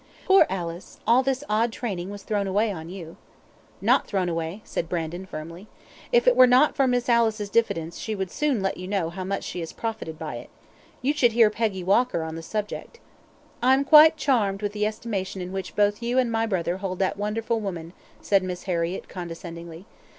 Poor Alice! all this odd training was thrown away on you." "Not thrown away," said Brandon, firmly. "If it were not for Miss Alice's diffidence she would soon let you know how much she has profited by it. You should hear Peggy Walker on that subject." "I am quite charmed with the estimation in which both you and my brother hold that wonderful woman," said Miss Harriett, condescendingly.